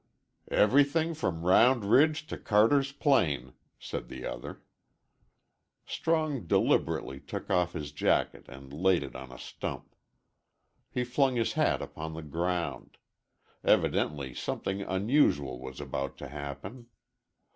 "Everything from Round Ridge to Carter's Plain," said the other. Strong deliberately took off his jacket and laid it on a stump. He flung his hat upon the ground. Evidently something unusual was about to happen.